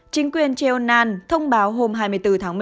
chính quyền jeonan thông báo hôm hai mươi bốn tháng một mươi một